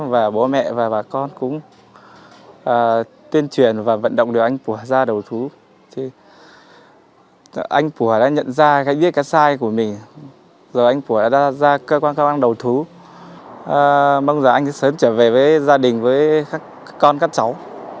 và mong rằng anh sẽ sớm trở về với gia đình với các con các cháu